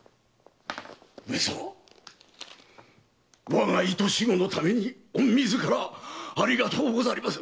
我が愛し子のために御自らありがとうござりまする。